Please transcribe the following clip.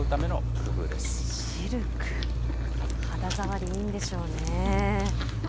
肌触りいいんでしょうね。